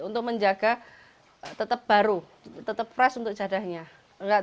untuk menjaga tetap baru tetap fresh untuk tempe bacem